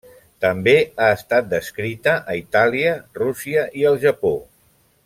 També ha estat descrita a Itàlia, Rússia i el Japó.